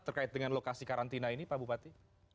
terkait dengan lokasi karantina ini pak bupati